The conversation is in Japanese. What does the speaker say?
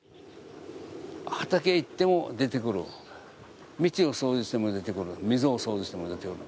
畑へ行っても出てくる、道を掃除しても出てくる、溝を掃除しても出てくる。